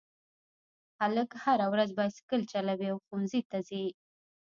هلک هره ورځ بایسکل چلوي او ښوونځي ته ځي